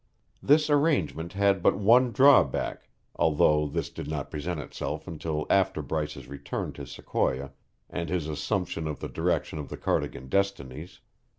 This arrangement had but one drawback, although this did not present itself until after Bryce's return to Sequoia and his assumption of the direction of the Cardigan destinies.